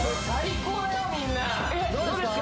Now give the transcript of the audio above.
どうですか？